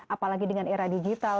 apalagi dengan era digital